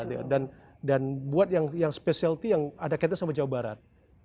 iya dan buat yang specialty yang ada kaitannya sama jawa barat